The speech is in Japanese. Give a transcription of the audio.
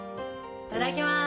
いただきます。